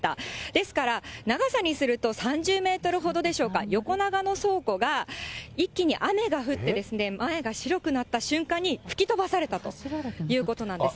ですから、長さにすると３０メートルほどでしょうか、横長の倉庫が一気に雨が降って、前が白くなった瞬間に吹き飛ばされたということなんですよ。